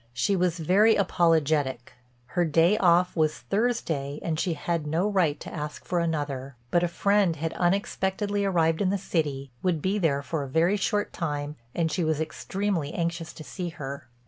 She was very apologetic; her day off was Thursday and she had no right to ask for another, but a friend had unexpectedly arrived in the city, would be there for a very short time and she was extremely anxious to see her.